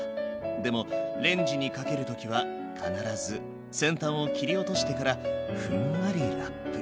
でもレンジにかける時は必ず先端を切り落としてからふんわりラップ。